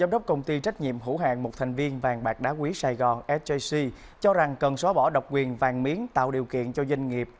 lý sơn mỗi ngày